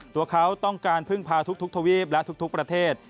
ตัวเขาต้องการพึ่งพาทุกทวีปและทุกประเทศ